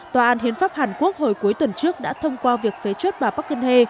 tòa án hiến pháp hàn quốc hồi cuối tuần trước đã thông qua việc phế chất bà park geun hye